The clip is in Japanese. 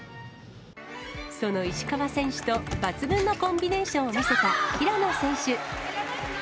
その石川選手と抜群のコンビネーションを見せた平野選手。